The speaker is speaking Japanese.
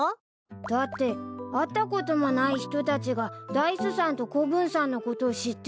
だって会ったこともない人たちがダイスさんと子分さんのことを知ってるんだよ。